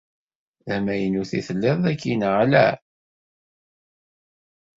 D amaynut i telliḍ dagi neɣ ala?